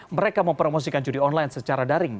mereka mempromosikan judi online secara daring